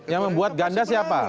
yang membuat ganda siapa